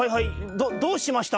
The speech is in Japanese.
どどうしました？」。